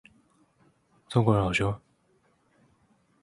中國人好兇